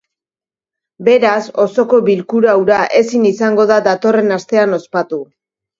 Beraz, osoko bilkura hura ezin izango da datorren astean ospatu.